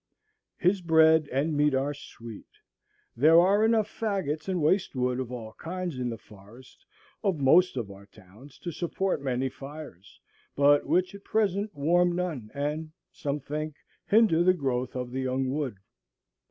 His bread and meat are sweet. There are enough fagots and waste wood of all kinds in the forests of most of our towns to support many fires, but which at present warm none, and, some think, hinder the growth of the young wood.